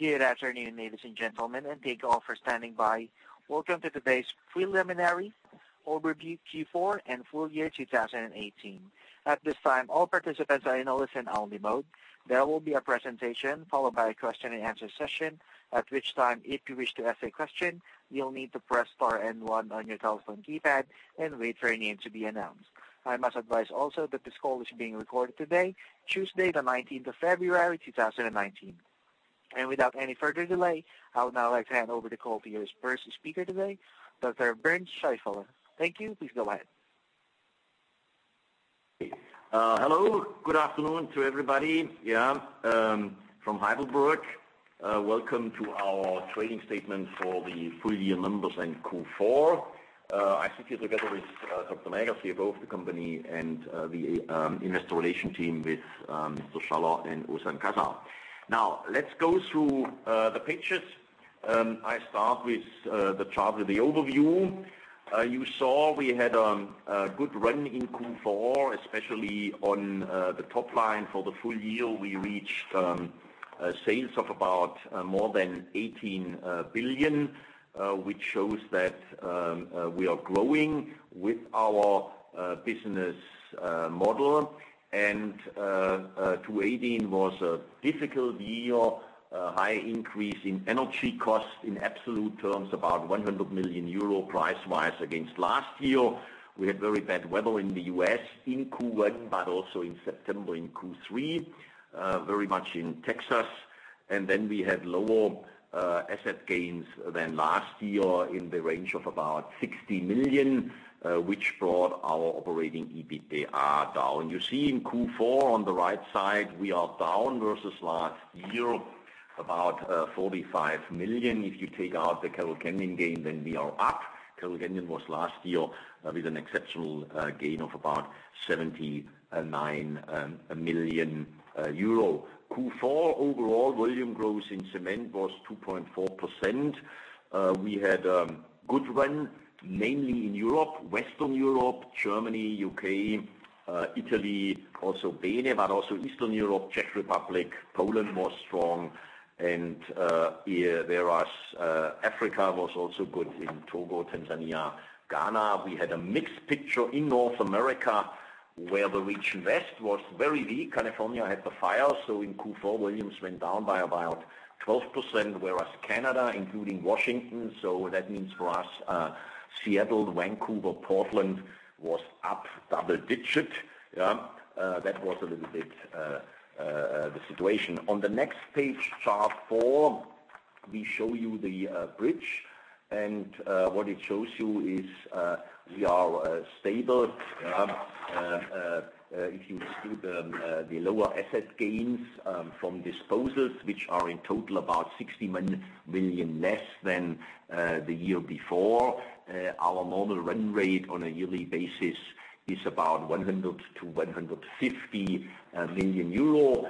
Good afternoon, ladies and gentlemen, thank you all for standing by. Welcome to today's preliminary overview Q4 and full year 2018. At this time, all participants are in listen-only mode. There will be a presentation followed by a question-and-answer session. At which time, if you wish to ask a question, you'll need to press star and one on your telephone keypad and wait for your name to be announced. I must advise also that this call is being recorded today, Tuesday, the 19th of February, 2019. Without any further delay, I would now like to hand over the call to your first speaker today, Dr. Bernd Scheifele. Thank you. Please go ahead. Hello. Good afternoon to everybody. From Heidelberg. Welcome to our trading statement for the full year numbers in Q4. I sit here together with Dr. Näger, CEO of the company, and the investor relation team with Mr. Schaller and Ozan Kacar. Let's go through the pictures. I start with the chart with the overview. You saw we had a good run in Q4, especially on the top line. For the full year, we reached sales of about more than 18 billion, which shows that we are growing with our business model. 2018 was a difficult year. A high increase in energy costs in absolute terms, about 100 million euro price-wise against last year. We had very bad weather in the U.S. in Q1, but also in September in Q3, very much in Texas. We had lower asset gains than last year in the range of about 60 million, which brought our operating EBITDA down. You see in Q4 on the right side, we are down versus last year, about 45 million. If you take out the Carroll Canyon gain, we are up. Carroll Canyon was last year with an exceptional gain of about 79 million euro. Q4 overall volume growth in cement was 2.4%. We had a good run, mainly in Europe, Western Europe, Germany, U.K., Italy, also BeNe, Eastern Europe, Czech Republic, Poland was strong. Whereas Africa was also good in Togo, Tanzania, Ghana. We had a mixed picture in North America, where the Region West was very weak. California had the fire, in Q4, volumes went down by about 12%, whereas Canada, including Washington, that means for us, Seattle, Vancouver, Portland, was up double digits. That was a little bit the situation. On the next page, chart four, we show you the bridge, what it shows you is we are stable. If you exclude the lower asset gains from disposals, which are in total about 60 million less than the year before. Our normal run rate on a yearly basis is about 100 million-150 million euro,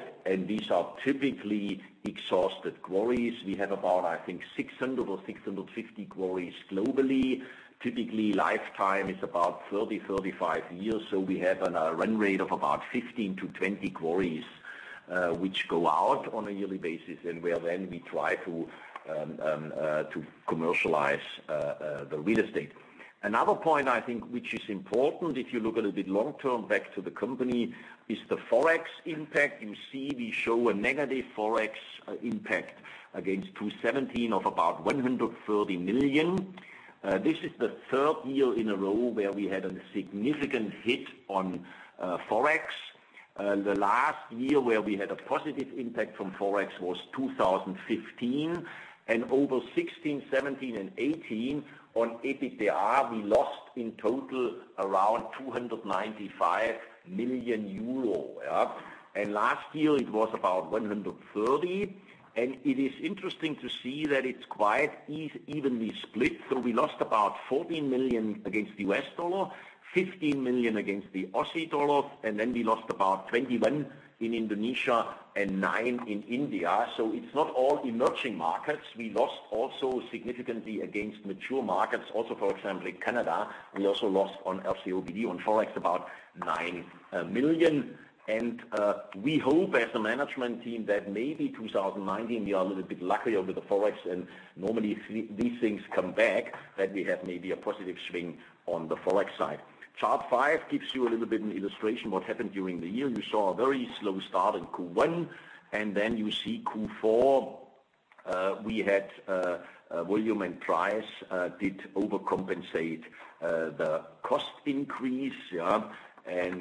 these are typically exhausted quarries. We have about, I think, 600 or 650 quarries globally. Typically, lifetime is about 30, 35 years. We have a run rate of about 15-20 quarries which go out on a yearly basis, where we try to commercialize the real estate. Another point, I think, which is important if you look a little bit long-term back to the company, is the Forex impact. You see we show a negative Forex impact against 2017 of about 130 million. This is the third year in a row where we had a significant hit on Forex. The last year where we had a positive impact from Forex was 2015, and over 2016, 2017, and 2018 on EBITDA, we lost in total around 295 million euro. Last year it was about 130 million. It is interesting to see that it's quite evenly split. We lost about $14 million against the US dollar, 15 million against the Aussie dollar, and we lost about 21 million in Indonesia and nine million in India. It's not all emerging markets. We also lost significantly against mature markets, for example, in Canada. We also lost on RCOBD on Forex about 9 million. We hope as a management team that maybe 2019 we are a little bit luckier with the Forex. Normally these things come back, that we have maybe a positive swing on the Forex side. Chart 5 gives you a little bit an illustration what happened during the year. You saw a very slow start in Q1. You see Q4, we had volume and price did overcompensate the cost increase. That's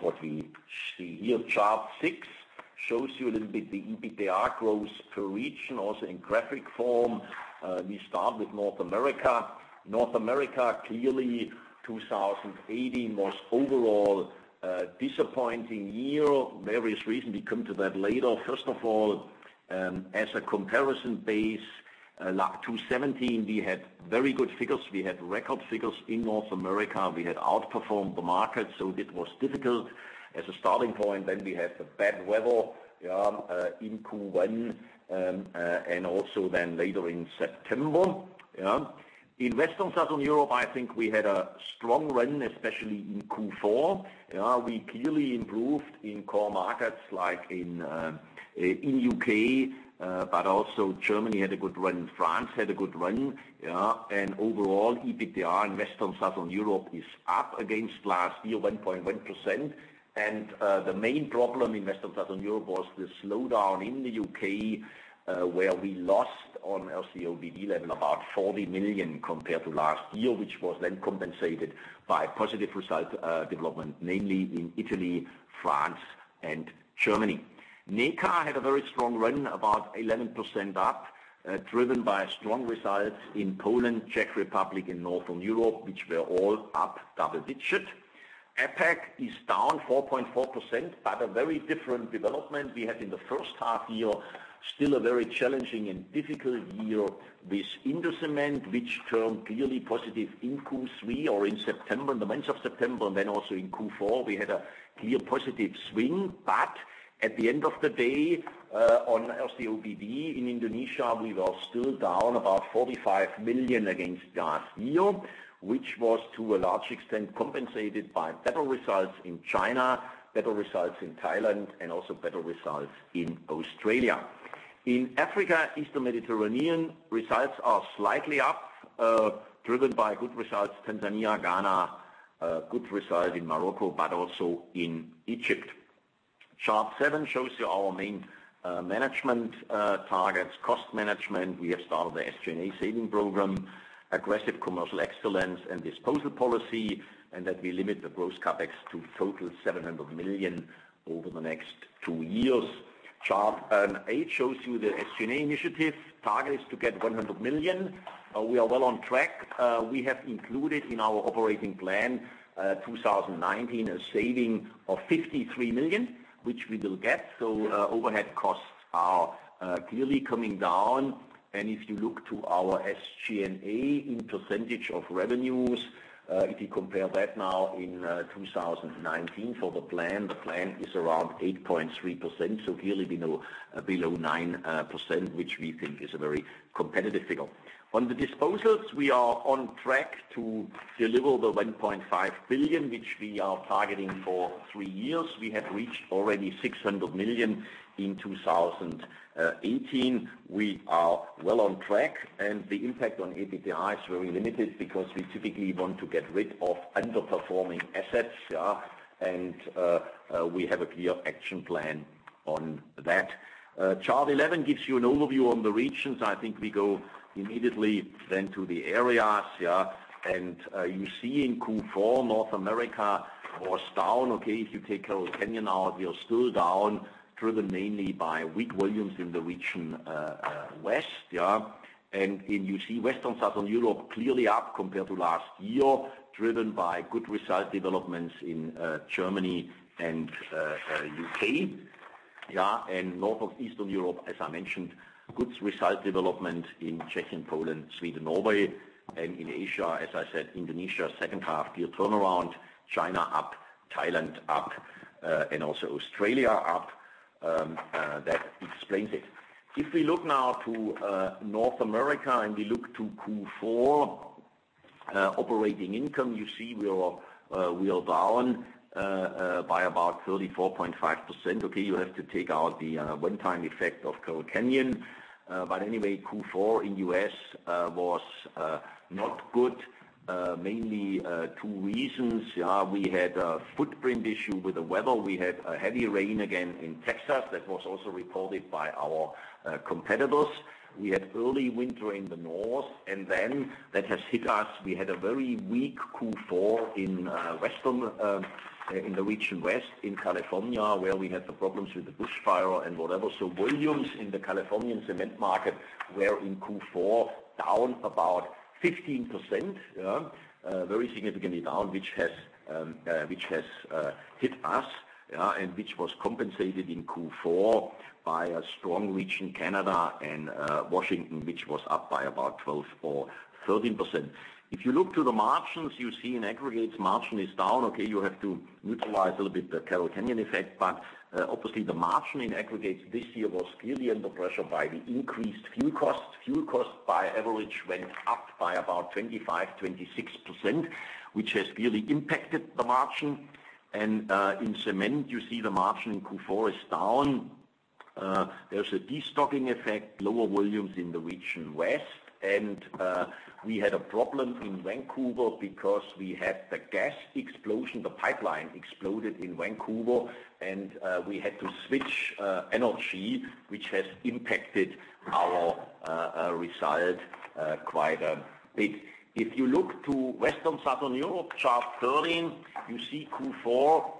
what we see here. Chart 6 shows you a little bit the EBITDA growth per region, also in graphic form. We start with North America. North America, clearly 2018 was overall a disappointing year. Various reasons. We come to that later. First of all, as a comparison base, 2017, we had very good figures. We had record figures in North America. We had outperformed the market. It was difficult as a starting point. We had the bad weather in Q1, and also later in September. In Western Southern Europe, I think we had a strong run, especially in Q4. We clearly improved in core markets like in the U.K., but also Germany had a good run, France had a good run. Overall, EBITDA in Western Southern Europe is up against last year, 1.1%. The main problem in Western Southern Europe was the slowdown in the U.K., where we lost on LCOB11 about 40 million compared to last year, which was then compensated by positive results development, mainly in Italy, France, and Germany. NECA had a very strong run, about 11% up, driven by strong results in Poland, Czech Republic, and Northern Europe, which were all up double digit. APAC is down 4.4%. A very different development we had in the first half year. Still a very challenging and difficult year with Indocement, which turned clearly positive in Q3 or in September, the month of September. Also in Q4, we had a clear positive swing. At the end of the day, on LCOBB in Indonesia, we were still down about 45 million against last year, which was to a large extent compensated by better results in China, better results in Thailand, and also better results in Australia. In Africa, Eastern Mediterranean, results are slightly up, driven by good results, Tanzania, Ghana, good results in Morocco, but also in Egypt. Chart 7 shows you our main management targets. Cost management. We have started the SG&A saving program, aggressive commercial excellence and disposal policy, and that we limit the gross CapEx to total 700 million over the next two years. Chart eight shows you the SG&A initiative. Target is to get 100 million. We are well on track. We have included in our operating plan, 2019, a saving of 53 million, which we will get. Overhead costs are clearly coming down. If you look to our SG&A in percentage of revenues, if you compare that now in 2019 for the plan, the plan is around 8.3%, so clearly below 9%, which we think is a very competitive figure. On the disposals, we are on track to deliver the 1.5 billion, which we are targeting for three years. We have reached already 600 million in 2018. We are well on track. The impact on EBITDA is very limited because we typically want to get rid of underperforming assets. We have a clear action plan on that. Chart 11 gives you an overview on the regions. I think we go immediately to the areas. You see in Q4, North America was down. Okay, if you take Carroll Canyon out, we are still down, driven mainly by weak volumes in the Region West. You see Western Southern Europe clearly up compared to last year, driven by good result developments in Germany and U.K. North of Eastern Europe, as I mentioned, good result development in Czech, in Poland, Sweden, Norway. In Asia, as I said, Indonesia, second half year turnaround. China up, Thailand up, and also Australia up. That explains it. If we look now to North America and we look to Q4 operating income, you see we are down by about 34.5%. Okay, you have to take out the one-time effect of Carroll Canyon. Anyway, Q4 in U.S. was not good. Mainly two reasons. We had a footprint issue with the weather. We had a heavy rain again in Texas that was also reported by our competitors. We had early winter in the North, that has hit us. We had a very weak Q4 in the Region West in California, where we had the problems with the bushfire and whatever. Volumes in the Californian cement market were in Q4 down about 15%, very significantly down, which has hit us, and which was compensated in Q4 by a strong Region Canada and Washington, which was up by about 12% or 13%. If you look to the margins, you see in aggregates, margin is down. Okay, you have to neutralize a little bit the Carroll Canyon effect, but obviously the margin in aggregates this year was clearly under pressure by the increased fuel costs. Fuel costs by average went up by about 25%-26%, which has really impacted the margin. In cement, you see the margin in Q4 is down. There's a de-stocking effect, lower volumes in the Region West. We had a problem in Vancouver because we had the gas explosion. The pipeline exploded in Vancouver, and we had to switch energy, which has impacted our result quite a bit. If you look to Western Southern Europe, Chart 13, you see Q4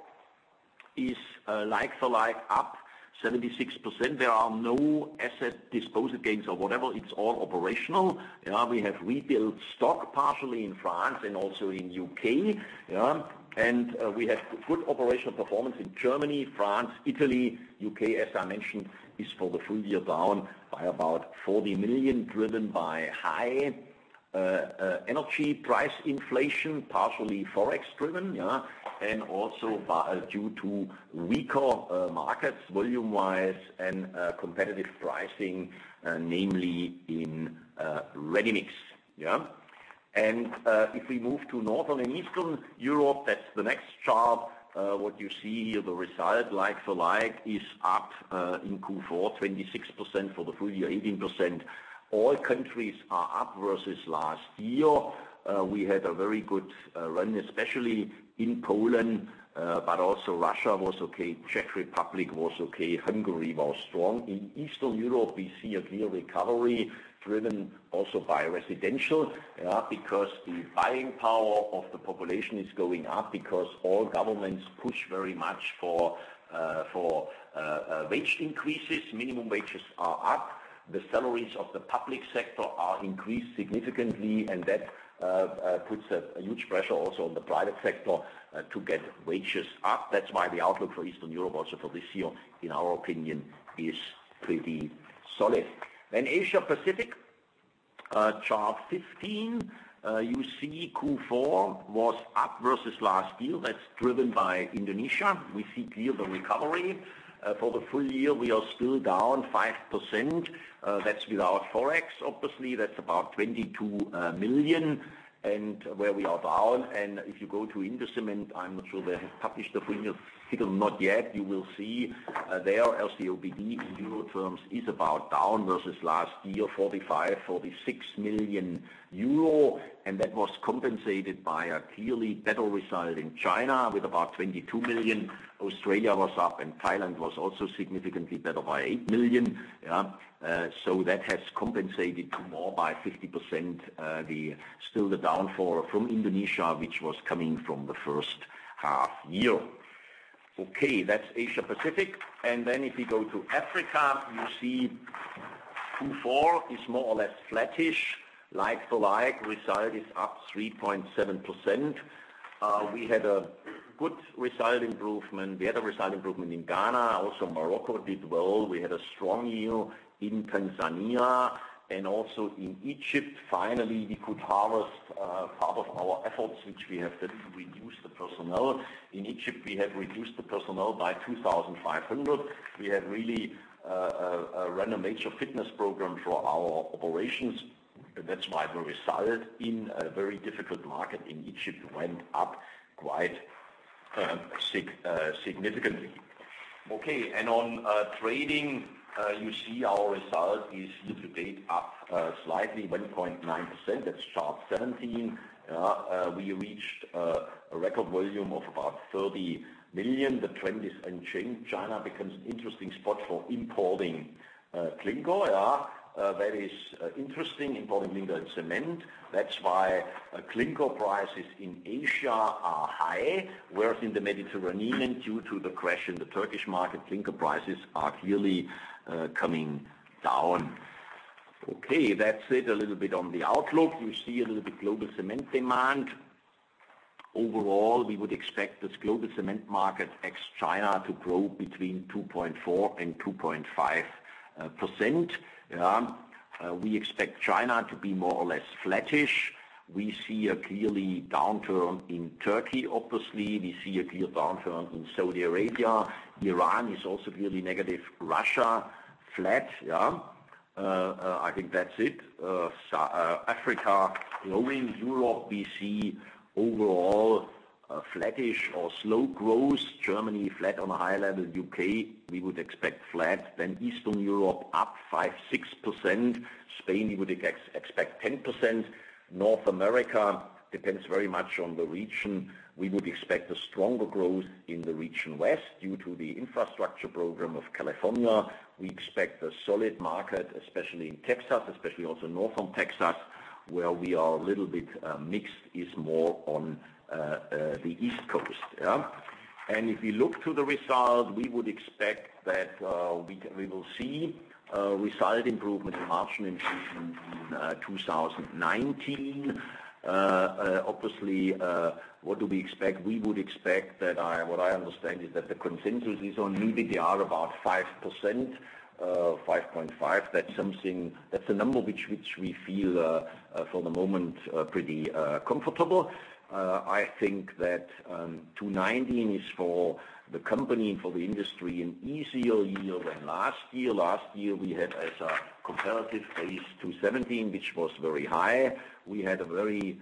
is like-for-like up 76%. There are no asset disposal gains or whatever. It's all operational. We have refilled stock partially in France and also in U.K. We have good operational performance in Germany, France, Italy. U.K., as I mentioned, is for the full year down by about 40 million, driven by high energy price inflation, partially Forex-driven, and also due to weaker markets volume-wise and competitive pricing, namely in ready-mix. If we move to Northern and Eastern Europe, that's the next chart. What you see here, the result like-for-like is up in Q4, 26% for the full year, 18%. All countries are up versus last year. We had a very good run, especially in Poland, but also Russia was okay. Czech Republic was okay. Hungary was strong. In Eastern Europe, we see a clear recovery driven also by residential, because the buying power of the population is going up because all governments push very much for wage increases. Minimum wages are up. The salaries of the public sector are increased significantly, that puts a huge pressure also on the private sector to get wages up. That's why the outlook for Eastern Europe also for this year, in our opinion, is pretty solid. Asia Pacific, chart 15. You see Q4 was up versus last year. That's driven by Indonesia. We see clearly the recovery. For the full year, we are still down 5%. That's without Forex, obviously, that's about 22 million, and where we are down. If you go to Indocement, I'm not sure they have published the full year figures or not yet, you will see their LCOBE in Euro terms is about down versus last year, 45 million-46 million euro. That was compensated by a clearly better result in China with about 22 million. Australia was up, Thailand was also significantly better by 8 million. That has compensated more by 50% still the downfall from Indonesia, which was coming from the first half year. Okay. That's Asia Pacific. If you go to Africa, you see Q4 is more or less flattish, like-for-like. Result is up 3.7%. We had a good result improvement. We had a result improvement in Ghana. Also Morocco did well. We had a strong year in Tanzania and also in Egypt. Finally, we could harvest part of our efforts, which we have then reduced the personnel. In Egypt, we have reduced the personnel by 2,500. We had really a renovation fitness program for our operations. That's why the result in a very difficult market in Egypt went up quite significantly. Okay. On trading, you see our result is year-to-date up slightly 1.9%. That's chart 17. We reached a record volume of about 30 million. The trend is unchanged. China becomes an interesting spot for importing clinker. That is interesting, importing clinker and cement. That's why clinker prices in Asia are high, whereas in the Mediterranean, due to the crash in the Turkish market, clinker prices are clearly coming down. Okay, that's it a little bit on the outlook. You see a little bit global cement demand. Overall, we would expect this global cement market ex-China to grow between 2.4%-2.5%. We expect China to be more or less flattish. We see a clear downturn in Turkey, obviously. We see a clear downturn in Saudi Arabia. Iran is also really negative. Russia, flat. I think that's it. Africa. In Old World Europe, we see overall a flattish or slow growth. Germany flat on a high level. U.K., we would expect flat. Eastern Europe up 5%-6%. Spain, we would expect 10%. North America depends very much on the region. We would expect a stronger growth in the Region West due to the infrastructure program of California. We expect a solid market, especially in Texas, especially also North from Texas, where we are a little bit mixed, is more on the East Coast. If you look to the result, we would expect that we will see a result improvement in margin increase in 2019. Obviously, what do we expect? We would expect that, what I understand is that the consensus is on EBITDA about 5%-5.5%. That's a number which we feel, for the moment, pretty comfortable. I think that 2019 is for the company and for the industry an easier year than last year. Last year we had as a comparative phase 2017, which was very high. We had a very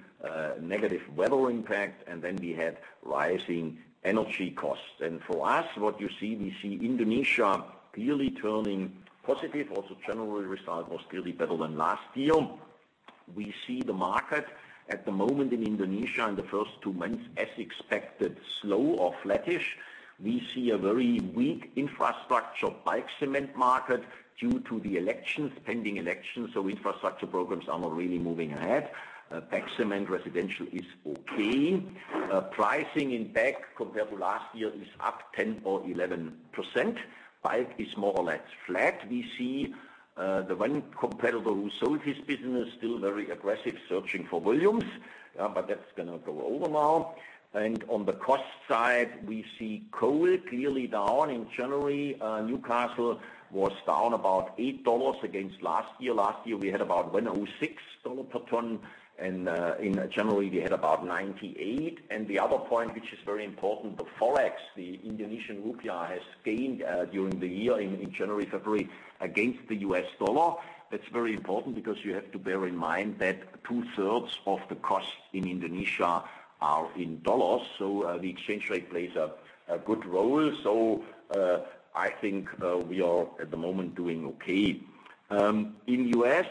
negative weather impact, then we had rising energy costs. For us, what you see, we see Indonesia clearly turning positive. Also general result was clearly better than last year. We see the market at the moment in Indonesia in the first 2 months as expected, slow or flattish. We see a very weak infrastructure bagged cement market due to the elections, pending elections, so infrastructure programs are not really moving ahead. Bagged cement residential is okay. Pricing in bagged compared to last year is up 10% or 11%. Bagged is more or less flat. We see the one competitor who sold his business still very aggressive, searching for volumes. That's going to go over now. On the cost side, we see coal clearly down in January. Newcastle was down about $8 against last year. Last year, we had about $106 per ton, in January we had about $98. The other point, which is very important, the Forex, the Indonesian rupiah, has gained during the year in January, February against the U.S. dollar. That's very important because you have to bear in mind that two-thirds of the costs in Indonesia are in U.S. dollars. The exchange rate plays a good role. I think we are at the moment doing okay. In U.S.,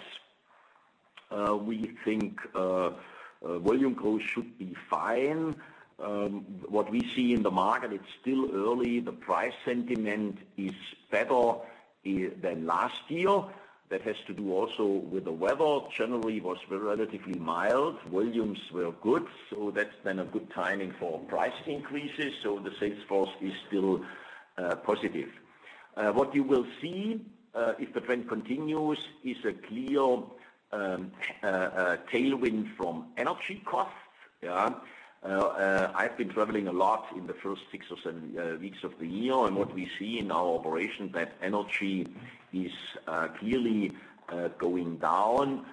we think volume growth should be fine. What we see in the market, it's still early. The price sentiment is better than last year. That has to do also with the weather, generally was relatively mild. Volumes were good, that's been a good timing for price increases. The sales force is still positive. What you will see, if the trend continues, is a clear tailwind from energy costs. I've been traveling a lot in the first 6 or 7 weeks of the year, what we see in our operations, that energy is clearly going down.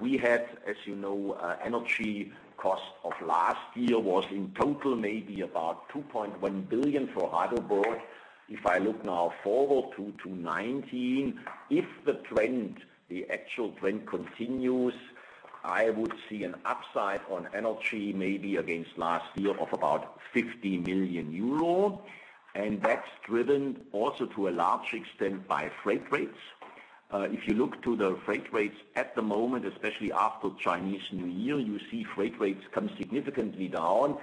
We had, as you know, energy cost of last year was in total maybe about 2.1 billion for Heidelberg. If I look now forward to 2019, if the actual trend continues, I would see an upside on energy, maybe against last year of about 50 million euro. That's driven also to a large extent by freight rates. If you look to the freight rates at the moment, especially after Chinese New Year, you see freight rates come significantly down.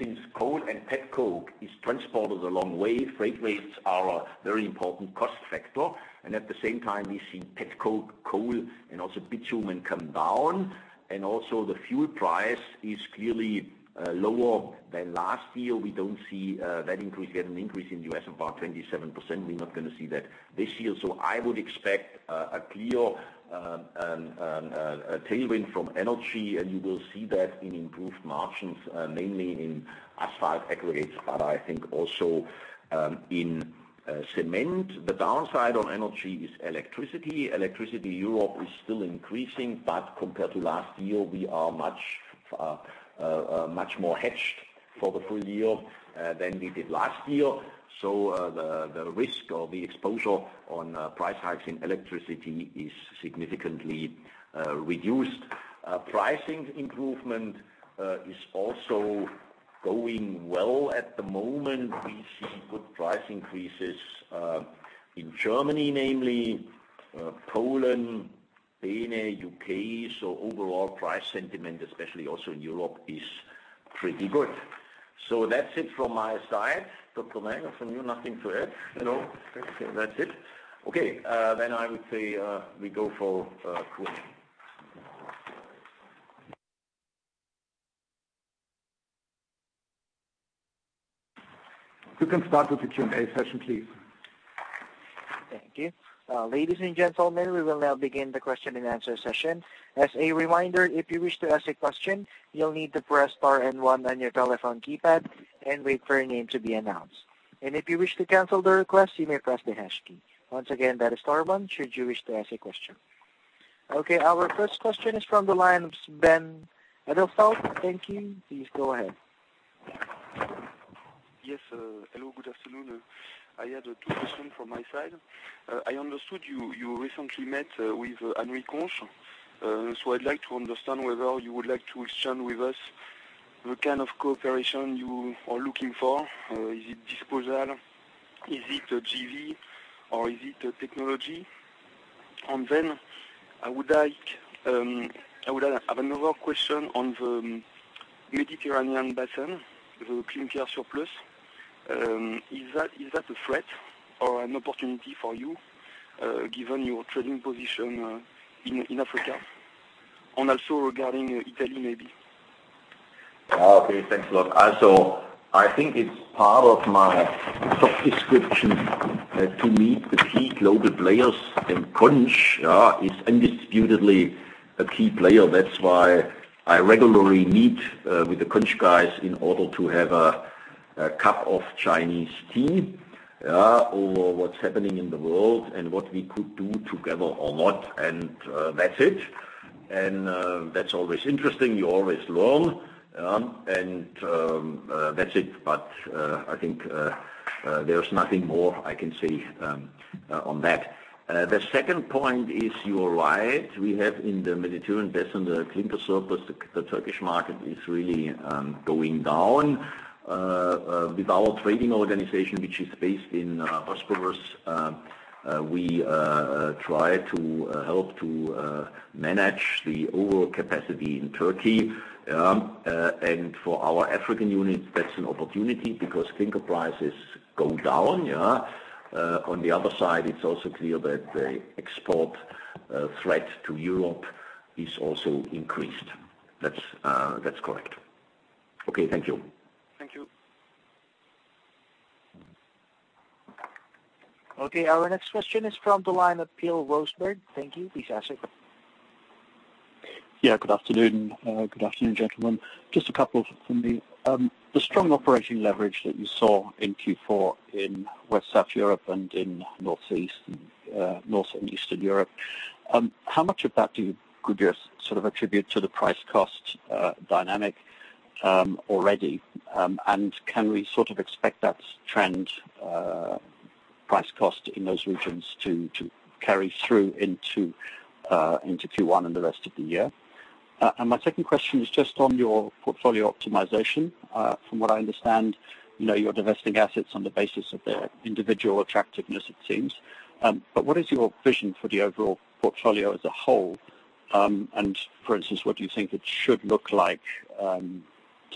Since coal and petcoke is transported a long way, freight rates are a very important cost factor. At the same time, we see petcoke, coal, and also bitumen come down. The fuel price is clearly lower than last year. We don't see that increase. We had an increase in the U.S. of about 27%. We're not going to see that this year. I would expect a clear tailwind from energy, and you will see that in improved margins, mainly in asphalt aggregates, but I think also in cement. The downside on energy is electricity. Electricity in Europe is still increasing, but compared to last year, we are much more hedged for the full year than we did last year. The risk or the exposure on price hikes in electricity is significantly reduced. Pricing improvement is also going well at the moment. We see good price increases in Germany, namely Poland, BeNe, U.K. Overall price sentiment, especially also in Europe, is pretty good. That's it from my side. Dr. Näger, from you nothing to add? No. That's it. Okay. I would say we go for Q&A. You can start with the Q&A session, please. Thank you. Ladies and gentlemen, we will now begin the question-and-answer session. As a reminder, if you wish to ask a question, you'll need to press star and one on your telephone keypad and wait for your name to be announced. If you wish to cancel the request, you may press the hash key. Once again, that is star one should you wish to ask a question. Okay, our first question is from the line of Benaud Adolf. Thank you. Please go ahead. Yes. Hello, good afternoon. I had two questions from my side. I understood you recently met with Anhui Conch. I'd like to understand whether you would like to share with us the kind of cooperation you are looking for. Is it disposal? Is it a JV or is it a technology? I have another question on the Mediterranean Basin, the clinker surplus. Is that a threat or an opportunity for you given your trading position in Africa? Also regarding Italy, maybe. Thanks a lot. I think it's part of my job description to meet the key global players, and Conch is undisputedly a key player. That's why I regularly meet with the Conch guys in order to have a cup of Chinese tea over what's happening in the world and what we could do together or not, and that's it. That's always interesting. You always learn, and that's it. I think there's nothing more I can say on that. The second point is, you're right. We have in the Mediterranean Basin, the clinker surplus, the Turkish market is really going down. With our trading organization, which is based in Bosphorus, we try to help to manage the overall capacity in Turkey. For our African unit, that's an opportunity because clinker prices go down. On the other side, it's also clear that the export threat to Europe is also increased. That's correct. Okay. Thank you. Thank you. Our next question is from the line of Pierre Rosburg. Thank you. Please ask it. Good afternoon, gentlemen. Just a couple from me. The strong operating leverage that you saw in Q4 in Western Southern Europe and in Northern Europe, how much of that could you attribute to the price-cost dynamic already? Can we expect that trend, price-cost in those regions to carry through into Q1 and the rest of the year? My second question is just on your portfolio optimization. From what I understand, you're divesting assets on the basis of their individual attractiveness, it seems. What is your vision for the overall portfolio as a whole? For instance, what do you think it should look like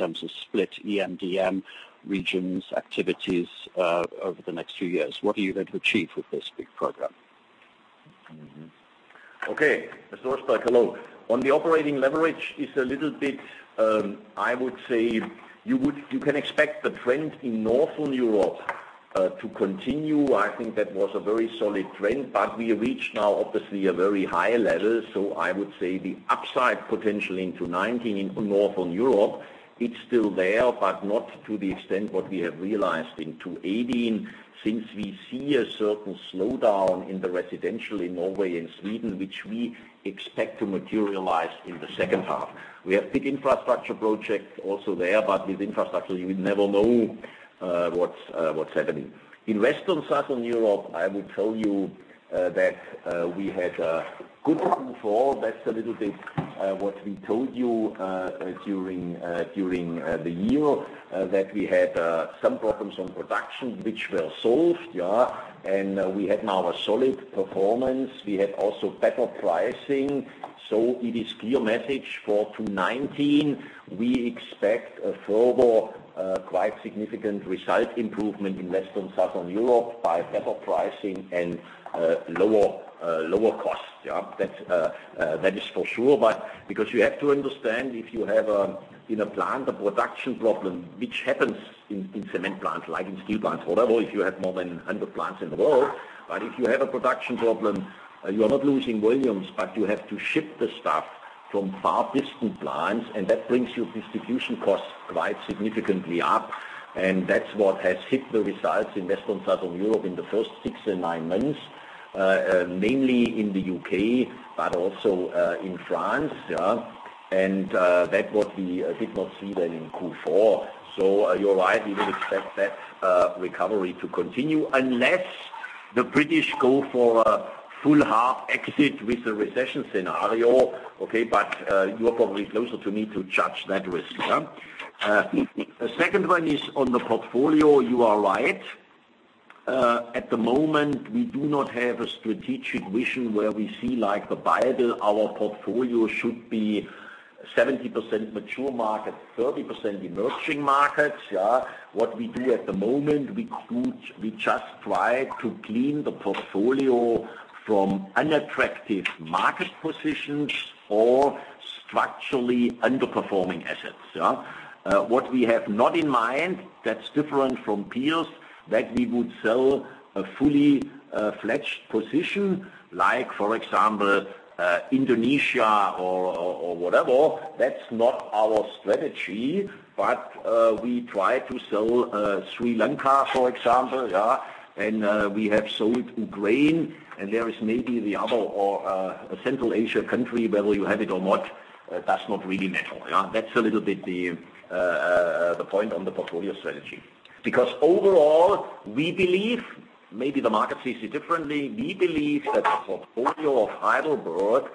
in terms of split EM/DM regions activities over the next few years? What are you going to achieve with this big program? Mr. Rosburg, hello. On the operating leverage, you can expect the trend in Northern Europe to continue. I think that was a very solid trend, we reached now obviously a very high level. I would say the upside potential in 2019 in Northern Europe, it's still there, not to the extent what we have realized in 2018, since we see a certain slowdown in the residential in Norway and Sweden, which we expect to materialize in the second half. We have big infrastructure projects also there, with infrastructure, you never know what's happening. In Western Southern Europe, I would tell you that we had a good Q4. That's a little bit what we told you during the year, that we had some problems on production, which were solved. We had now a solid performance. We had also better pricing. It is clear message for 2019, we expect a further quite significant result improvement in Western Southern Europe by better pricing and lower costs. That is for sure. You have to understand, if you have, in a plant, a production problem, which happens in cement plants like in steel plants, whatever, if you have more than 100 plants in the world. If you have a production problem, you're not losing volumes, you have to ship the stuff from far distant plants, that brings your distribution costs quite significantly up. That's what has hit the results in Western Southern Europe in the first six and nine months, mainly in the U.K., also in France. That what we did not see then in Q4. You're right, we will expect that recovery to continue unless the British go for a full hard exit with the recession scenario. Okay. You are probably closer to me to judge that risk. The second one is on the portfolio. You are right. At the moment, we do not have a strategic vision where we see like the Bible, our portfolio should be 70% mature market, 30% emerging markets. What we do at the moment, we just try to clean the portfolio from unattractive market positions or structurally underperforming assets. What we have not in mind, that's different from peers, that we would sell a fully fledged position, for example, Indonesia or whatever. That's not our strategy. We try to sell Sri Lanka, for example. We have sold in Ukraine, and there is maybe the other or a Central Asia country, whether you have it or not, that's not really natural. Yeah. That's a little bit the point on the portfolio strategy. Overall, we believe, maybe the market sees it differently. We believe that the portfolio of HeidelbergCement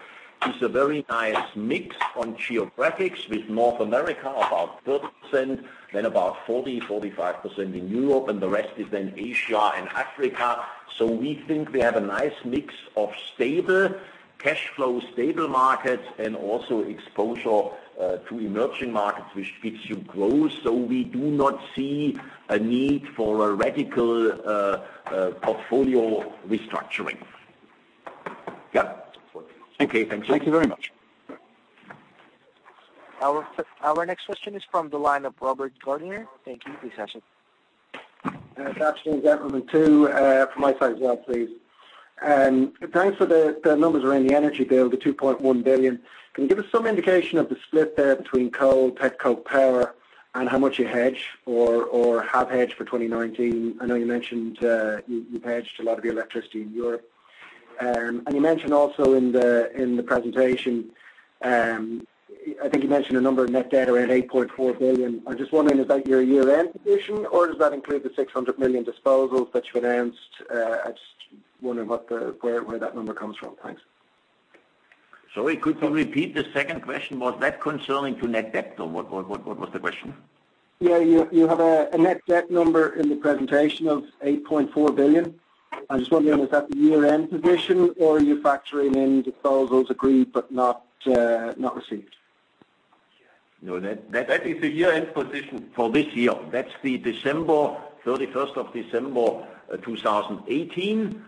is a very nice mix on geographics, with North America about 30%, then about 40%, 45% in Europe, and the rest is then Asia and Africa. We think we have a nice mix of stable cash flow, stable markets, and also exposure to emerging markets which gives you growth. We do not see a need for a radical portfolio restructuring. Yeah. Okay. Thank you. Thank you. Our next question is from the line of Robert Gardner. Thank you. Please ask it. Good afternoon, gentlemen, too, from my side as well, please. Thanks for the numbers around the energy bill, the 2.1 billion. Can you give us some indication of the split there between coal, petcoke power, and how much you hedge or have hedged for 2019? I know you mentioned you hedged a lot of your electricity in Europe. You mentioned also in the presentation, I think you mentioned a number of net debt around 8.4 billion. I'm just wondering, is that your year-end position, or does that include the 600 million disposals that you announced? I'm just wondering where that number comes from. Thanks. Sorry. Could you repeat the second question? Was that concerning to net debt, or what was the question? Yeah. You have a net debt number in the presentation of 8.4 billion. I'm just wondering, is that the year-end position, or are you factoring in disposals agreed but not received? That is the year-end position for this year. That's the 31st of December 2018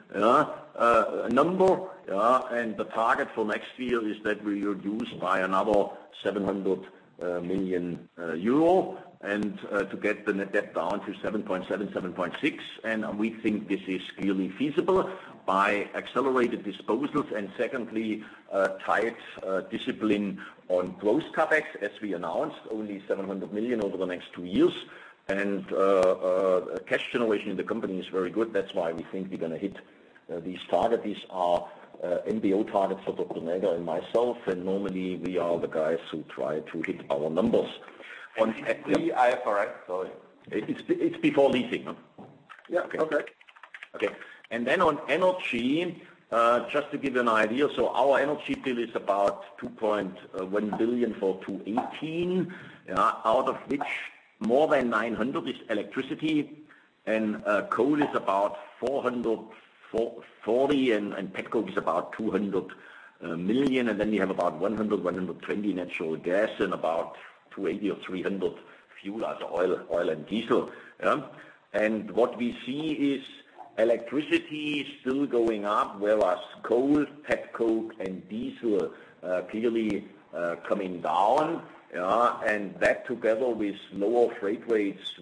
number. The target for next year is that we reduce by another 700 million euro and to get the net debt down to 7.7, 7.6. We think this is clearly feasible by accelerated disposals and secondly, tight discipline on growth CapEx, as we announced, only 700 million over the next two years. Cash generation in the company is very good. That's why we think we're going to hit these targets. These are MBO targets for Dr. Näger and myself, and normally we are the guys who try to hit our numbers. On IFRS, sorry. It's before leasing. Yeah. Okay. Okay. Then on energy, just to give you an idea, so our energy bill is about 2.1 billion for 2018, out of which more than 900 is electricity and coal is about 440 and petcoke is about 200 million. Then you have about 100-120 natural gas and about 280-300 fuel, that's oil and diesel. What we see is electricity still going up, whereas coal, petcoke and diesel are clearly coming down. That together with lower freight rates.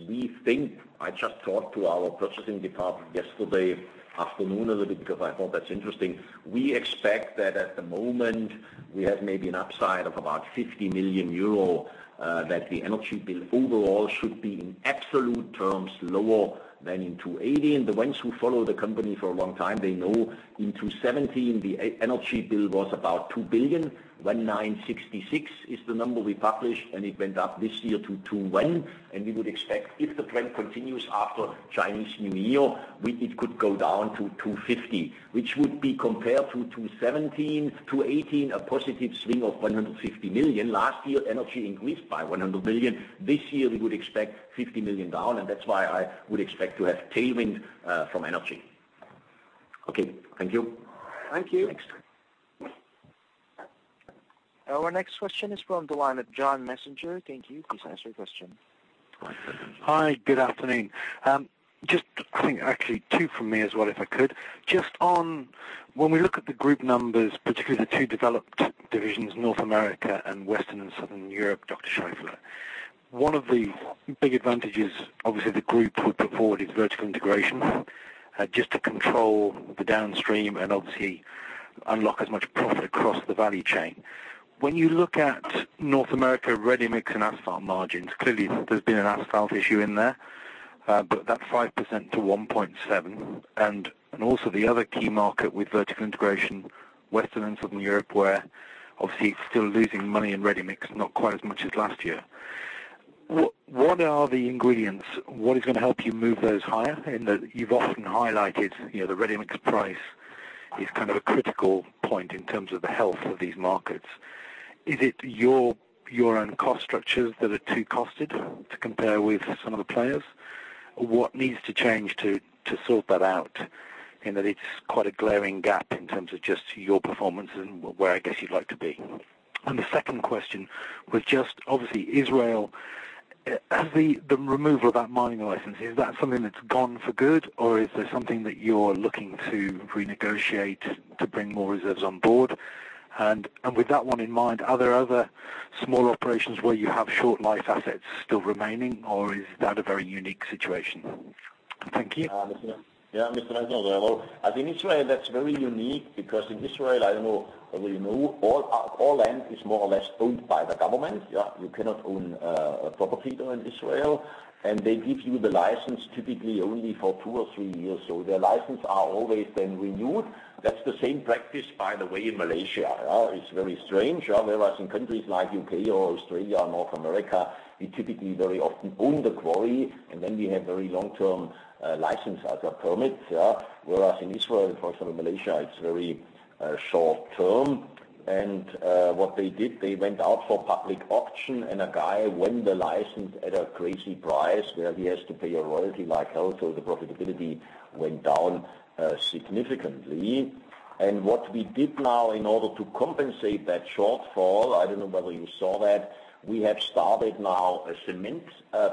I just talked to our purchasing department yesterday afternoon a little bit because I thought that's interesting. We expect that at the moment we have maybe an upside of about 50 million euro, that the energy bill overall should be in absolute terms lower than in 2018. The ones who follow the company for a long time, they know in 2017, the energy bill was about 2 billion. 1,966 is the number we published, and it went up this year to 2.1. We would expect if the trend continues after Chinese New Year, it could go down to 250. Which would be compared to 2017, 2018, a positive swing of 150 million. Last year, energy increased by 100 million. This year, we would expect 50 million down, and that's why I would expect to have tailwind from energy. Okay. Thank you. Thank you. Next. Our next question is from the line of John Messenger. Thank you. Please ask your question. Hi. Good afternoon. Just I think actually two from me as well, if I could. Just on when we look at the group numbers, particularly the two developed divisions, North America and Western and Southern Europe, Dr. Scheifele. One of the big advantages, obviously the group put forward is vertical integration, just to control the downstream and obviously unlock as much profit across the value chain. That 5% to 1.7 and also the other key market with vertical integration, Western and Southern Europe, where obviously it's still losing money in ready-mix, not quite as much as last year. What are the ingredients? What is going to help you move those higher? In that you've often highlighted, the ready-mix price is a critical point in terms of the health of these markets. Is it your own cost structures that are too costed to compare with some of the players? What needs to change to sort that out? In that it's quite a glaring gap in terms of just your performance and where I guess you'd like to be. The second question was just obviously Israel, the removal of that mining license, is that something that's gone for good or is there something that you're looking to renegotiate to bring more reserves on board? With that one in mind, are there other small operations where you have short life assets still remaining? Or is that a very unique situation? Thank you. Yeah, Mr. Messenger. Hello. I think Israel, that's very unique because in Israel, I don't know whether you know, all land is more or less owned by the government. You cannot own a property in Israel, and they give you the license typically only for two or three years. Their license are always then renewed. That's the same practice, by the way, in Malaysia. It's very strange. Whereas in countries like U.K. or Australia, North America, we typically very often own the quarry, and then we have very long-term license as a permit. Whereas in Israel and also Malaysia, it's very short-term. What they did, they went out for public auction and a guy won the license at a crazy price where he has to pay a royalty like hell. The profitability went down significantly. What we did now in order to compensate that shortfall, I don't know whether you saw that, we have started now a cement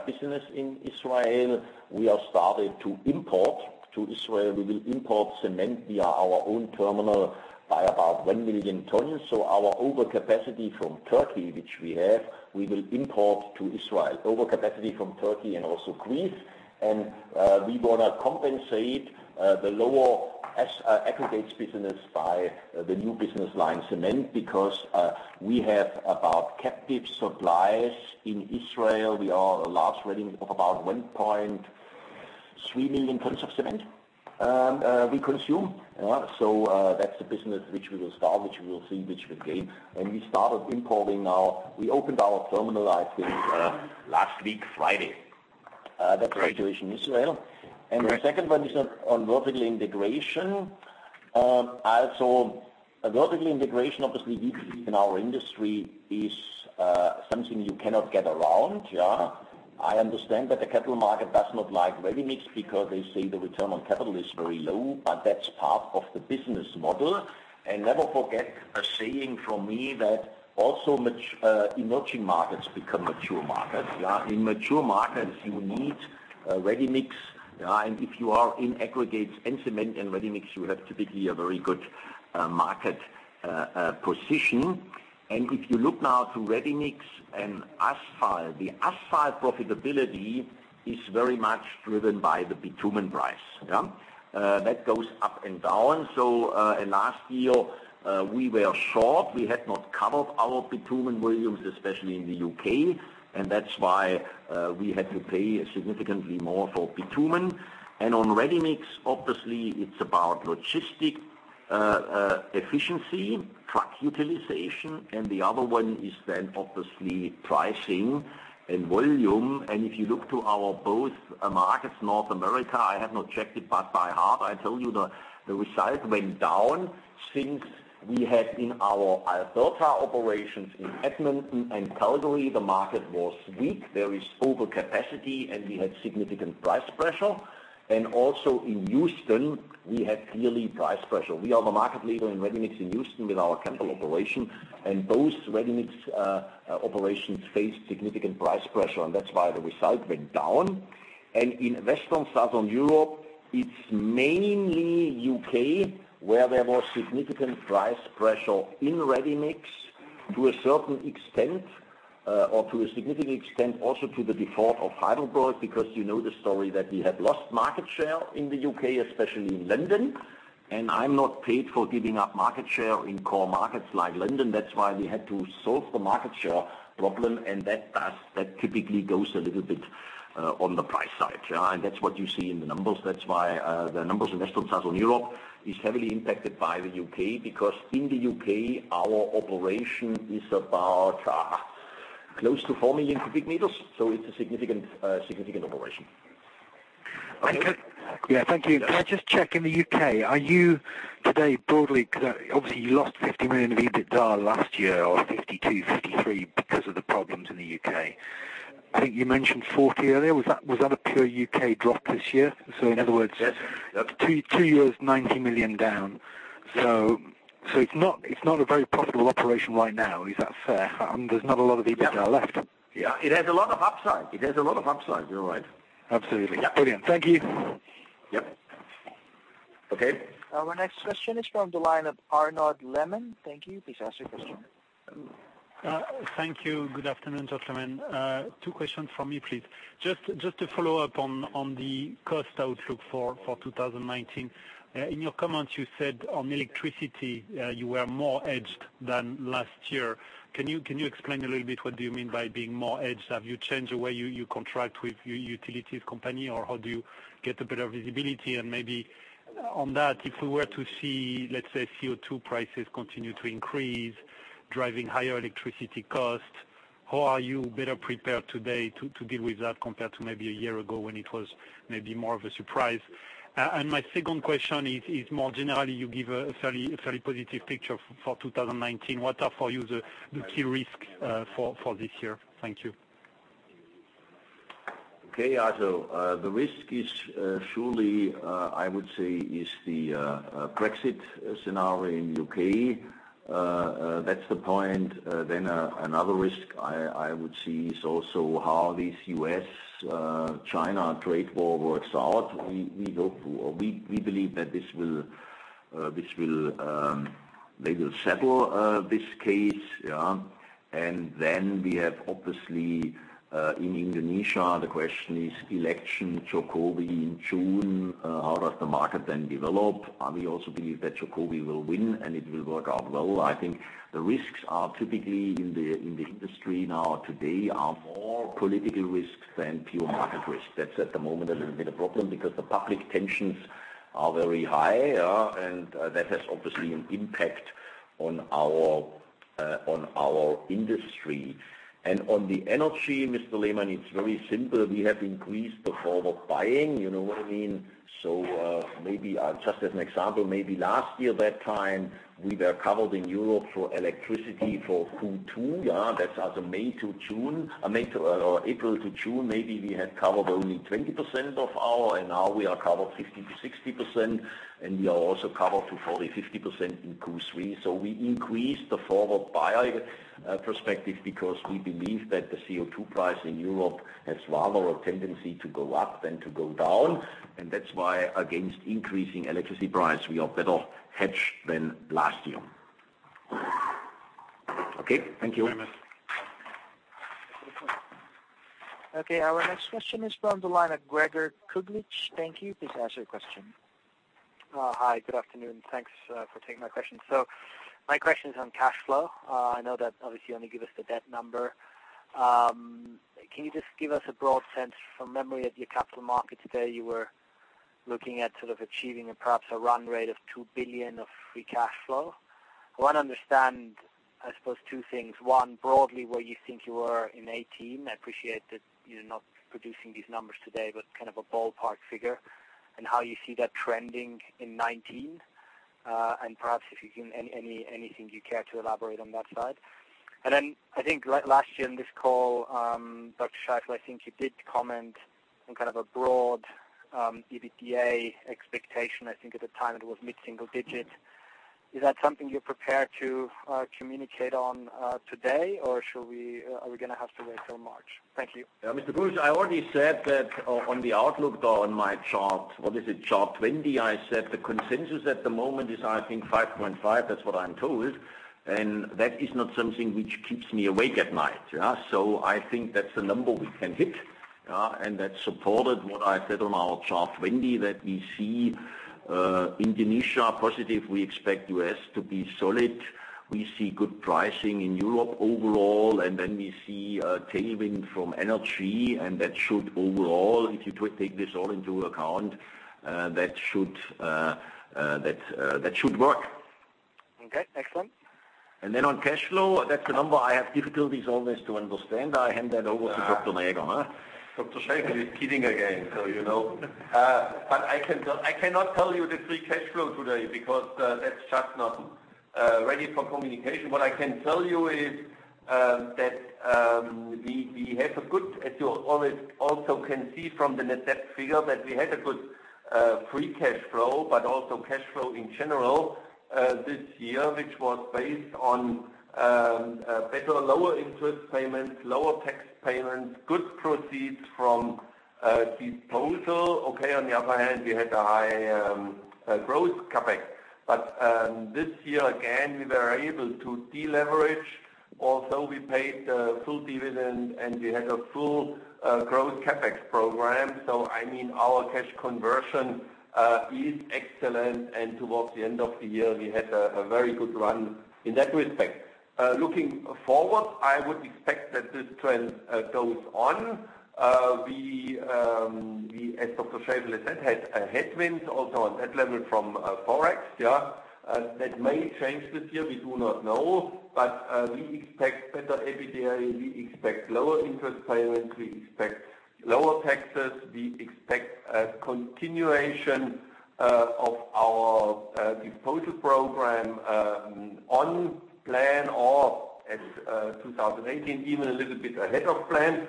business in Israel. We have started to import to Israel. We will import cement via our own terminal by about 1 million tons. Our overcapacity from Turkey, which we have, we will import to Israel. Overcapacity from Turkey and also Greece. We want to compensate the lower aggregates business by the new business line, cement, because we have about captive supplies. In Israel, we are a large reading of about 1.3 million tons of cement we consume. That's the business which we will start, which we will see, which will gain. We started importing. We opened our terminal, I think, last week, Friday. Great. That's the situation in Israel. Great. The second one is on vertical integration. Vertical integration, obviously in our industry is something you cannot get around. I understand that the capital market does not like ready-mix because they say the return on capital is very low. That is part of the business model. Never forget a saying from me that also emerging markets become mature markets. In mature markets, you need ready-mix. If you are in aggregates and cement and ready-mix, you have typically a very good market position. If you look now to ready-mix and asphalt, the asphalt profitability is very much driven by the bitumen price. That goes up and down. In last year, we were short. We had not covered our bitumen volumes, especially in the U.K., and that is why we had to pay significantly more for bitumen. On ready-mix, obviously, it is about logistic efficiency, truck utilization, and the other one is then obviously pricing and volume. If you look to our both markets, North America, I have not checked it, but by heart, I tell you the results went down since we had in our Alberta operations in Edmonton and Calgary, the market was weak. There is overcapacity, and we had significant price pressure. Also in Houston, we had clearly price pressure. We are the market leader in ready-mix in Houston with our Campbell operation, and both ready-mix operations faced significant price pressure, and that is why the result went down. In Western Southern Europe, it is mainly U.K., where there was significant price pressure in ready-mix to a certain extent, or to a significant extent, also to the default of Heidelberg, because you know the story that we had lost market share in the U.K., especially in London. I am not paid for giving up market share in core markets like London. That is why we had to solve the market share problem, and that typically goes a little bit on the price side. That is what you see in the numbers. That is why the numbers in Western Southern Europe is heavily impacted by the U.K., because in the U.K., our operation is about close to 4 million cubic meters, so it is a significant operation. Thank you. Can I just check in the U.K., are you today broadly because obviously you lost 50 million in EBITDA last year or 52, 53 because of the problems in the U.K. I think you mentioned 40 earlier. Was that a pure U.K. drop this year? Yes. Two years, 90 million down. It's not a very profitable operation right now, is that fair? There's not a lot of EBITDA left. Yeah. It has a lot of upside. You're right. Absolutely. Yeah. Brilliant. Thank you. Yep. Okay. Our next question is from the line of Arnaud Lehmann. Thank you. Please ask your question. Thank you. Good afternoon, gentlemen. Two questions from me, please. Just to follow up on the cost outlook for 2019. In your comments, you said on electricity, you were more hedged than last year. Can you explain a little bit what do you mean by being more hedged? Have you changed the way you contract with your utilities company, or how do you get a better visibility? Maybe on that, if we were to see, let's say CO2 prices continue to increase, driving higher electricity costs, how are you better prepared today to deal with that compared to maybe a year ago when it was maybe more of a surprise? My second question is more generally, you give a very positive picture for 2019. What are for you the key risk for this year? Thank you. Okay, Arnaud. The risk is surely, I would say, is the Brexit scenario in U.K. That's the point. Another risk I would see is also how this U.S.-China trade war works out. We believe that they will settle this case. We have obviously, in Indonesia, the question is election, Jokowi in June, how does the market then develop? We also believe that Jokowi will win and it will work out well. I think the risks are typically in the industry now today are more political risks than pure market risks. That's at the moment a little bit a problem because the public tensions are very high, and that has obviously an impact on our industry. On the energy, Mr. Lehmann, it's very simple. We have increased the forward buying, you know what I mean? Maybe just as an example, maybe last year that time, we were covered in Europe for electricity for Q2. That's as of April to June, maybe we had covered only 20% of our, and now we are covered 50%-60%, and we are also covered to 40%, 50% in Q3. We increased the forward buy perspective because we believe that the CO2 price in Europe has rather a tendency to go up than to go down, and that's why against increasing electricity price, we are better hedged than last year. Okay. Thank you. Thank you very much. Our next question is from the line of Gregor Kuglitsch. Thank you. Please ask your question. Hi, good afternoon. Thanks for taking my question. My question is on cash flow. I know that obviously you only give us the debt number. Can you just give us a broad sense from memory at your capital markets day, you were looking at achieving perhaps a run rate of 2 billion of free cash flow. I want to understand, I suppose two things. One, broadly where you think you are in 2018. I appreciate that you're not producing these numbers today, but a ballpark figure, and how you see that trending in 2019. And perhaps if you can, anything you care to elaborate on that side? Then I think last year in this call, Dr. Scheifele, I think you did comment on a broad EBITDA expectation. I think at the time it was mid-single digits. Is that something you're prepared to communicate on today? Are we going to have to wait till March? Thank you. Mr. Kuglitsch, I already said that on the outlook on my chart, what is it, Chart 20, I said the consensus at the moment is, I think 5.5. That is what I am told. That is not something which keeps me awake at night. So I think that is a number we can hit. That supported what I said on our Chart 20, that we see Indonesia positive. We expect U.S. to be solid. We see good pricing in Europe overall. We see a tailwind from energy. That should overall, if you take this all into account, that should work. Okay, excellent. On cash flow, that is a number I have difficulties always to understand. I hand that over to Dr. Gieré. Dr. Scheifele is kidding again. I cannot tell you the free cash flow today because that is just not ready for communication. What I can tell you is that we have a good. As you always also can see from the net debt figure that we had a good free cash flow, but also cash flow in general this year, which was based on better lower interest payments, lower tax payments, good proceeds from disposal. Okay, on the other hand, we had a high growth CapEx. But this year again, we were able to deleverage. Also, we paid the full dividend, and we had a full growth CapEx program. So our cash conversion is excellent, and towards the end of the year, we had a very good run in that respect. Looking forward, I would expect that this trend goes on. We, as Dr. Scheifele has said, had a headwind also on that level from Forex. That may change this year, we do not know. We expect better EBITDA, we expect lower interest payments, we expect lower taxes. We expect a continuation of our disposal program on plan or as 2018, even a little bit ahead of plan.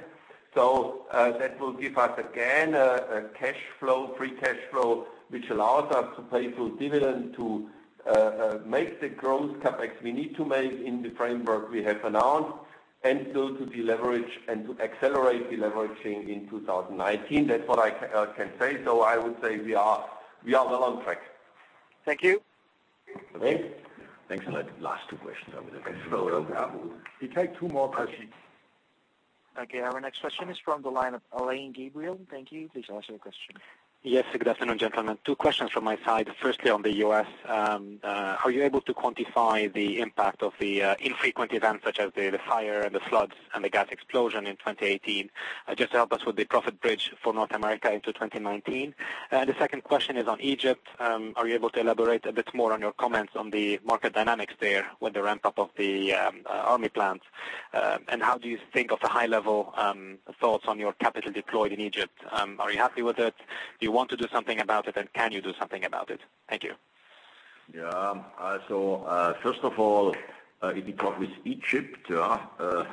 That will give us again, a cash flow, free cash flow, which allows us to pay full dividend to make the growth CapEx we need to make in the framework we have announced and still to deleverage and to accelerate deleveraging in 2019. That's what I can say. I would say we are well on track. Thank you. Okay. Thanks a lot. Last two questions. We take two more questions. Okay, our next question is from the line of Alain Gabriel. Thank you. Please ask your question. Yes, good afternoon, gentlemen. Two questions from my side. Firstly, on the U.S., are you able to quantify the impact of the infrequent events such as the fire and the floods and the gas explosion in 2018? Just to help us with the profit bridge for North America into 2019. The second question is on Egypt. Are you able to elaborate a bit more on your comments on the market dynamics there with the ramp-up of the Army plans? How do you think of the high-level thoughts on your capital deployed in Egypt? Are you happy with it? Do you want to do something about it, and can you do something about it? Thank you. First of all, with Egypt, I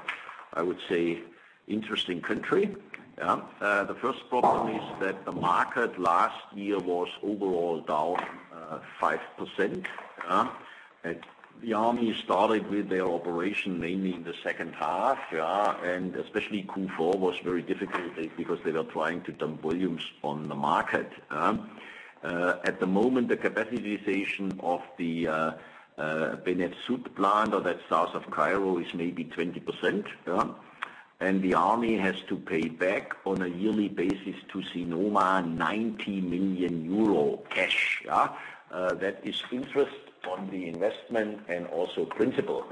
would say interesting country. The first problem is that the market last year was overall down 5%. The Army started with their operation mainly in the second half. Especially Q4 was very difficult because they were trying to dump volumes on the market. At the moment, the capacity utilization of the Beni Suef plant or that south of Cairo is maybe 20%. The Army has to pay back on a yearly basis to Sinoma 90 million euro cash. That is interest on the investment and also principal.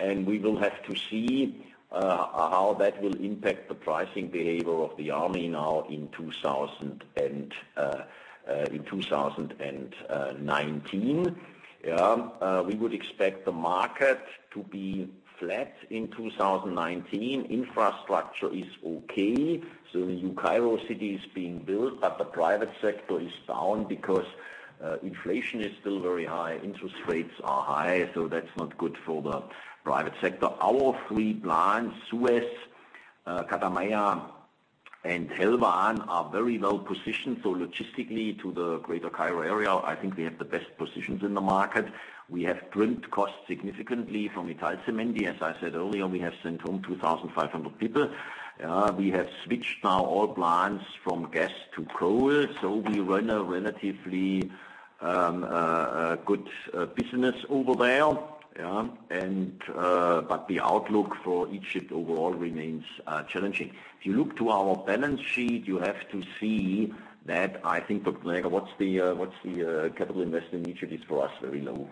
We will have to see how that will impact the pricing behavior of the Army now in 2019. We would expect the market to be flat in 2019. Infrastructure is okay. The New Cairo city is being built, but the private sector is down because inflation is still very high. Interest rates are high, that's not good for the private sector. Our three plants, Suez, Katameya, and Helwan, are very well-positioned. Logistically to the greater Cairo area, I think we have the best positions in the market. We have trimmed costs significantly from Italcementi. As I said earlier, we have sent home 2,500 people. We have switched now all plants from gas to coal, we run a relatively good business over there. The outlook for Egypt overall remains challenging. If you look to our balance sheet, you have to see that I think, Dr. Näger, what's the capital investment in Egypt is for us, very low.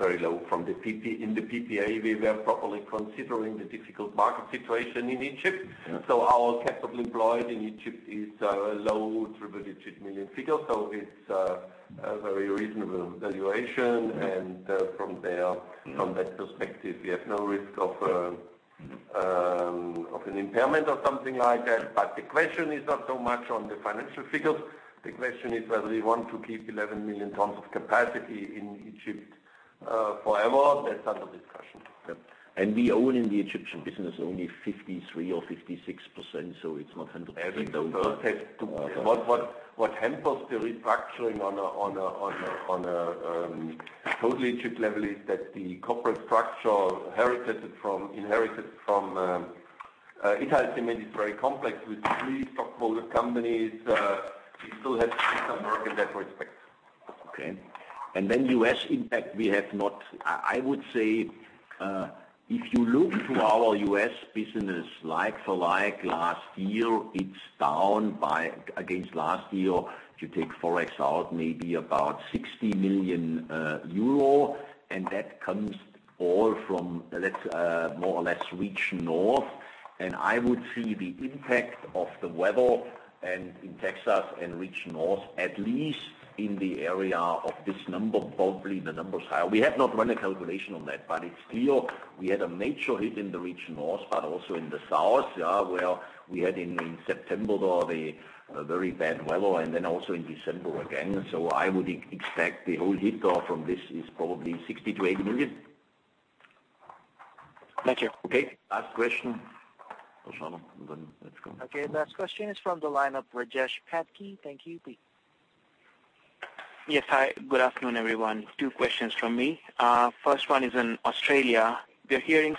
Very low. In the PPA, we were properly considering the difficult market situation in Egypt. Our capital employed in Egypt is a low triple-digit million EUR figure. It's a very reasonable valuation. From there, from that perspective, we have no risk of an impairment or something like that. The question is not so much on the financial figures. The question is whether we want to keep 11 million tons of capacity in Egypt forever. That's under discussion. Yep. We own in the Egyptian business only 53% or 56%, it's not 100%. What hampers the restructuring on a total Egypt level is that the corporate structure inherited from Italcementi is very complex with three stockholder companies. We still have to do some work in that respect. Okay. U.S. impact, I would say, if you look to our U.S. business like-for-like last year, it's down against last year. If you take Forex out, maybe about 60 million euro, that's more or less Region North. I would see the impact of the weather in Texas and Region North, at least in the area of this number. Probably the number's higher. We have not run a calculation on that, it's clear we had a major hit in the Region North, also in the South, where we had in September the very bad weather, and in December again. I would expect the whole hit from this is probably 60 million to 80 million. Thank you. Okay, last question. Roshano, let's go. Okay. Last question is from the line of Rajesh Patki. Thank you. Please. Yes. Hi, good afternoon, everyone. Two questions from me. First one is in Australia. We're hearing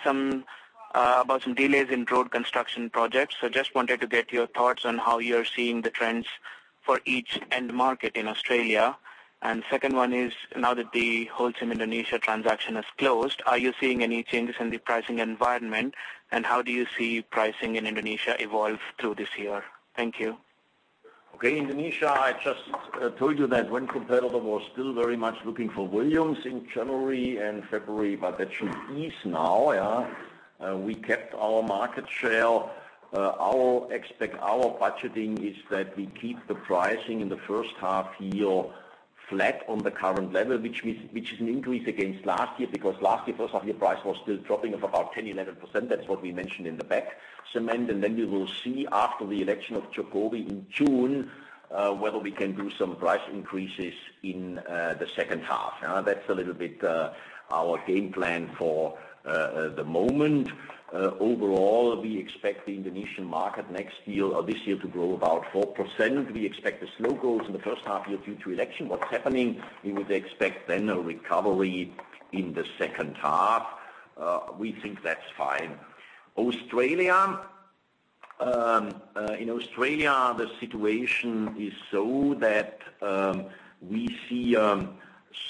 about some delays in road construction projects. Just wanted to get your thoughts on how you're seeing the trends for each end market in Australia. Second one is, now that the Holcim Indonesia transaction has closed, are you seeing any changes in the pricing environment, and how do you see pricing in Indonesia evolve through this year? Thank you. Okay. Indonesia, I just told you that one competitor was still very much looking for volumes in January and February. That should ease now. We kept our market share. Our budgeting is that we keep the pricing in the first half year flat on the current level, which is an increase against last year because last year, first half year price was still dropping of about 10%-11%. That's what we mentioned in the bagged cement. We will see after the election of Jokowi in June, whether we can do some price increases in the second half. That's a little bit our game plan for the moment. Overall, we expect the Indonesian market this year to grow about 4%. We expect the slow growth in the first half year due to election. What's happening, we would expect a recovery in the second half. We think that's fine. Australia. In Australia, the situation is so that we see a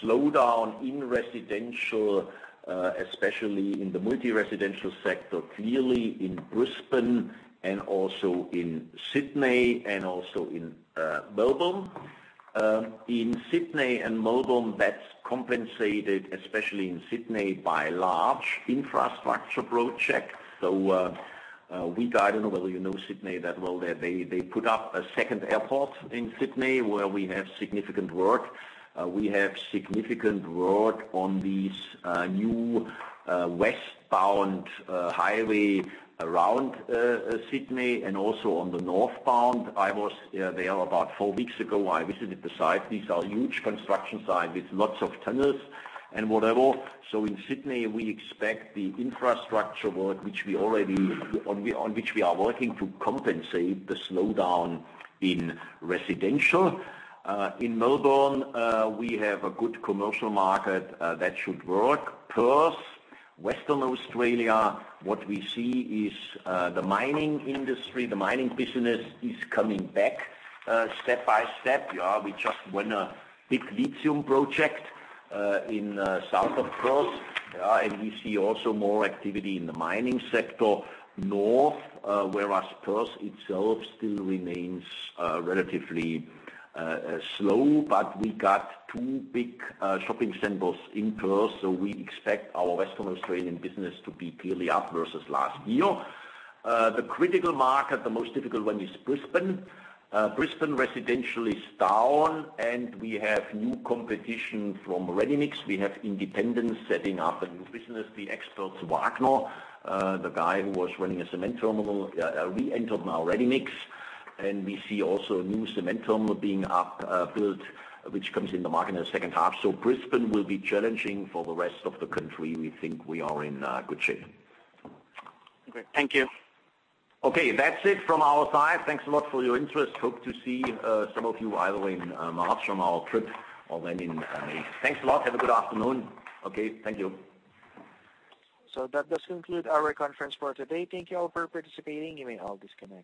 slowdown in residential, especially in the multi-residential sector, clearly in Brisbane and also in Sydney and also in Melbourne. In Sydney and Melbourne, that's compensated, especially in Sydney, by large infrastructure road projects. I don't know whether you know Sydney that well. They put up a second airport in Sydney where we have significant work. We have significant work on these new westbound highway around Sydney and also on the northbound. I was there about 4 weeks ago. I visited the site. These are huge construction sites with lots of tunnels and whatever. In Sydney, we expect the infrastructure work, on which we are working to compensate the slowdown in residential. In Melbourne, we have a good commercial market that should work. Perth, Western Australia, what we see is the mining industry, the mining business is coming back step by step. We just won a big lithium project in south of Perth. We see also more activity in the mining sector north, whereas Perth itself still remains relatively slow. We got 2 big shopping centers in Perth. We expect our Western Australian business to be clearly up versus last year. The critical market, the most difficult one is Brisbane. Brisbane residential is down. We have new competition from ready-mix. We have independents setting up a new business. The ex-boss Wagner, the guy who was running a cement terminal, re-entered now ready-mix. We see also a new cement terminal being built, which comes in the market in the second half. Brisbane will be challenging. For the rest of the country, we think we are in good shape. Okay. Thank you. Okay. That's it from our side. Thanks a lot for your interest. Hope to see some of you either in March on our trip or then in May. Thanks a lot. Have a good afternoon. Okay. Thank you. That does conclude our conference for today. Thank you all for participating. You may all disconnect.